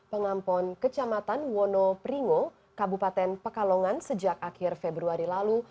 pengampon kecamatan wonopringo kabupaten pekalongan sejak akhir februari lalu